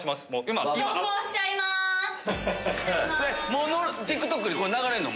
もうＴｉｋＴｏｋにこれ流れるの？